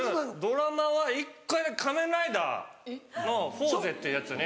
ドラマは一回だけ仮面ライダーの『フォーゼ』っていうやつに。